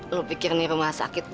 lo pikir nih rumah sakit